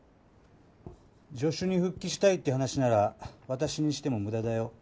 助手に復帰したいって話なら私にしても無駄だよ。